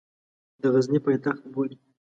د غزني پایتخت بولي.